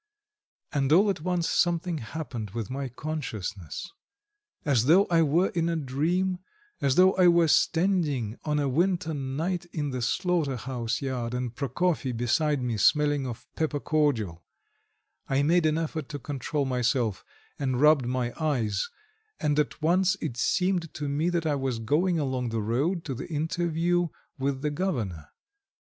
And all at once something happened with my consciousness; as though I were in a dream, as though I were standing on a winter night in the slaughterhouse yard, and Prokofy beside me, smelling of pepper cordial; I made an effort to control myself, and rubbed my eyes, and at once it seemed to me that I was going along the road to the interview with the Governor.